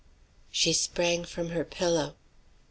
She sprang from her pillow.